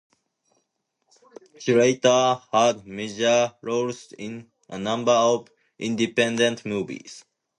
She later had major roles in a number of independent movies.